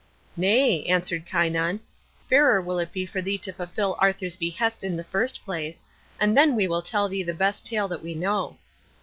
"Nay," answered Kynon; "fairer will it be for thee to fulfil Arthur's behest in the first place, and then we will tell thee the best tale that we know."